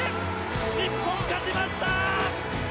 日本勝ちました！